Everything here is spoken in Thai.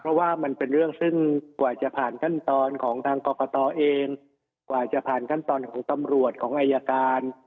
เพราะว่ามันเป็นเรื่องซึ่งกว่าจะผ่านขั้นตอนของทางกรกตเองกว่าจะผ่านขั้นตอนของตำรวจของอายการ